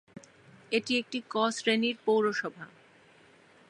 এটি একটি ক শ্রেণীর পৌরসভা।